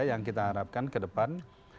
yang kita harapkan ke depan